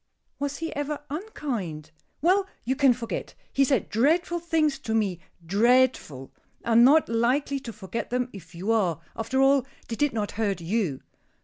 "Was he ever unkind?" "Well, you can forget! He said dreadful things to me dreadful. I am not likely to forget them if you are. After all, they did not hurt you."